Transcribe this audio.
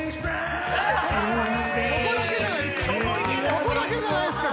ここだけじゃないっすか。